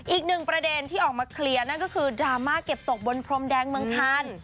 อีกหนึ่งประเด็นที่ออกมาเคลียร์นั่นก็คือดราม่าเก็บตกบนพรมแดงเมืองคัน